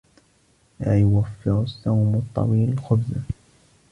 لا يوفر الصوم الطويل خبزاً.